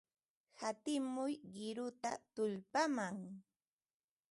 Hatimuy qiruta tullpaman.